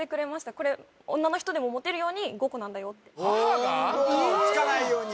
これ女の人でも持てるように５個なんだよってつかないように？